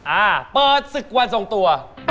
อ่าเปิดศึกวันทรงตัว